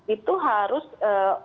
itu harus orang yang juga memahami riset